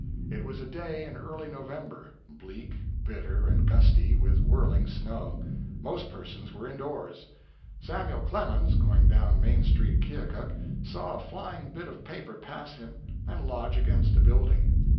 It was a day in early November bleak, bitter, and gusty, with whirling snow; most persons were indoors. Samuel Clemens, going down Main Street, Keokuk, saw a flying bit of paper pass him and lodge against a building.